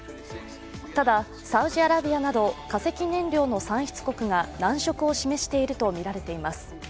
ただ、サウジアラビアなど化石燃料の産出国が難色を示しているとみられています。